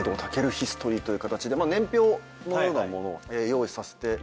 ヒストリーという形で年表のようなものを用意させてもらいました。